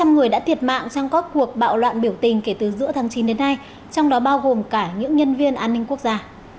năm người đã thiệt mạng trong các cuộc bạo loạn biểu tình kể từ giữa tháng chín đến nay trong đó bao gồm cả những nhân viên an ninh quốc gia